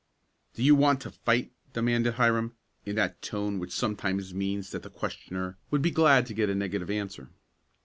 "Do you want to fight?" demanded Hiram, in that tone which sometimes means that the questioner would be glad to get a negative answer.